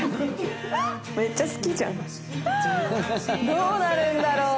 どうなるんだろう？